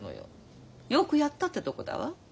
よくやったってとこだわ。